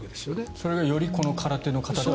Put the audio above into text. それがよりこの空手の形という。